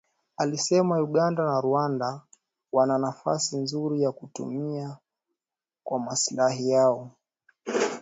alisema Uganda na Rwanda wana nafasi nzuri ya kutumia kwa maslahi yao